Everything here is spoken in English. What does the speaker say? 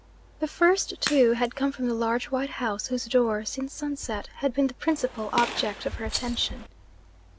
The first two had come from the large white house whose door, since sunset, had been the principal object of her attention.